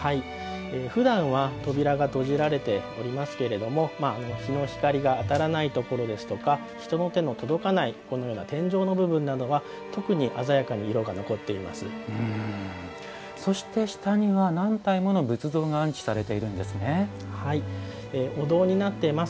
ふだんは扉が閉じられておりますけれども日の光が当たらないところですとか人の手が届かない天井の部分などは特に鮮やかに色が残っています。